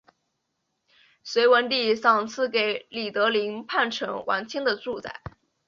隋文帝赏赐给李德林叛臣王谦的住宅。